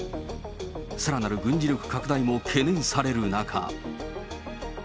さらなる軍事力拡大も懸念される中。